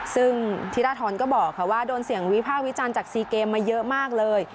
ซึ่งธิรทรก็บอกว่าโดนเสียงวิพากษ์วิจารณ์จากซีเกมมาเยอะมากเลย